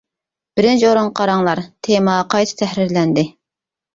بىرىنچى ئورۇنغا قاراڭلار، تېما قايتا تەھرىرلەندى.